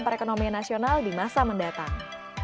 perekonomian nasional di masa mendatang